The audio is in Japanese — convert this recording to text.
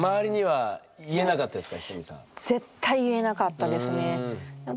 絶対言えなかったですね。